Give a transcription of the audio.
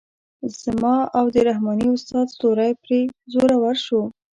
زما او د رحماني استاد ستوری پرې زورور شو.